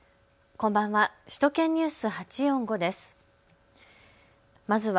こんばんは。